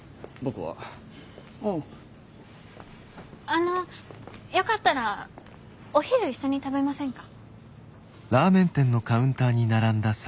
あのよかったらお昼一緒に食べませんか？